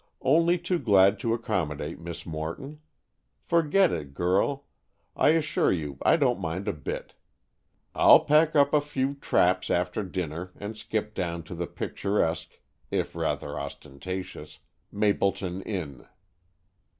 Only too glad to accommodate Miss Morton. Forget it, girl; I assure you I don't mind a bit. I'll pack up a few traps after dinner and skip down to the picturesque, if rather ostentatious, Mapleton Inn."